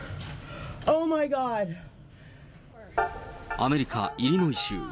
アメリカ・イリノイ州。